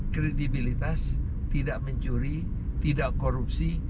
kredibilitas tidak mencuri tidak korupsi